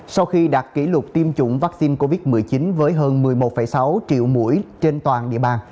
sau khi đặt kỷ lục tiêm chủng vaccine covid một mươi chín với hơn một mươi một sáu triệu mũi trên toàn địa bàn